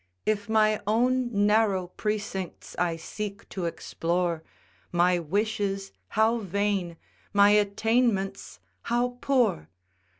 If my own narrow precincts I seek to explore, My wishes how vain, my attainments how poor!